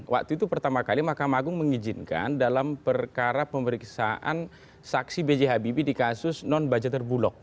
waktu itu pertama kali mahkamah agung mengizinkan dalam perkara pemeriksaan saksi b j habibie di kasus non budgeter bulog